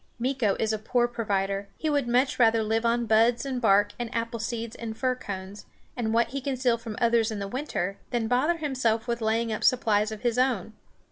Meeko is a poor provider; he would much rather live on buds and bark and apple seeds and fir cones, and what he can steal from others in the winter, than bother himself with laying up supplies of his own.